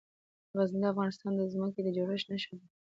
غزني د افغانستان د ځمکې د جوړښت نښه ده.